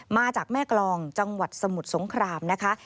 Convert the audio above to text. มาจากแม่กรองจังหวัดสมุทรสงครามนะคะ